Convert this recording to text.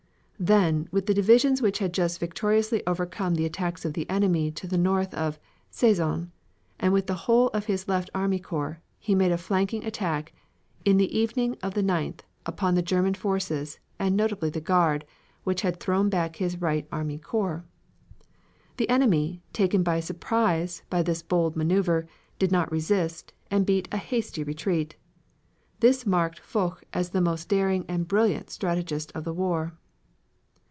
Then, with the divisions which had just victoriously overcome the attacks of the enemy to the north of Sezanne, and with the whole of his left army corps, he made a flanking attack in the evening of the 9th upon the German forces, and notably the guard, which had thrown back his right army corps. The enemy, taken by surprise by this bold maneuver, did not resist, and beat a hasty retreat. This marked Foch as the most daring and brilliant strategist of the war.